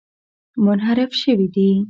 منحرف شوي دي.